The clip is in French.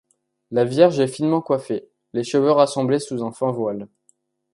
La Vierge est finement coiffée, les cheveux rassemblés sous un fin voile.